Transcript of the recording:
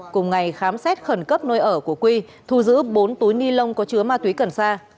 cùng ngày khám xét khẩn cấp nơi ở của quy thu giữ bốn túi ni lông có chứa ma túy cần sa